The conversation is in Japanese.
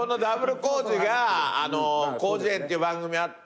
『コウジ園』っていう番組あって。